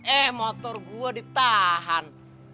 eh motor gue ditahan